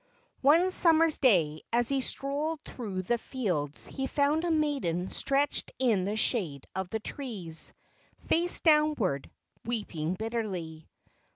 One summer's day as he strolled through the fields he found a maiden stretched in the shade of the trees, face downward, weeping bitterly.